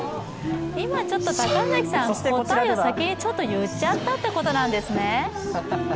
今、高柳さん、答えを先に言っちゃったということなんですね。